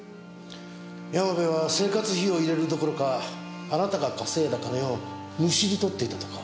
山辺は生活費を入れるどころかあなたが稼いだ金をむしり取っていたとか。